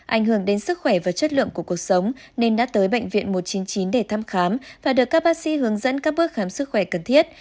ảnh hưởng đến sức khỏe và chất lượng của cuộc sống nên đã tới bệnh viện một trăm chín mươi chín để thăm khám và được các bác sĩ hướng dẫn các bước khám sức khỏe cần thiết